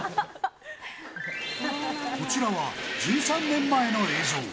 こちらは１３年前の映像。